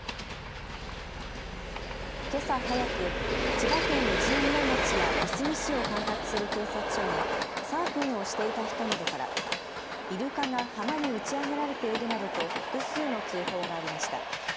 けさ早く千葉県一宮町やいすみ市を管轄する警察署にサーフィンをしていた人などからイルカが浜に打ち上げられているなどと複数の通報がありました。